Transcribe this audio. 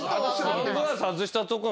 サングラス外したとこ。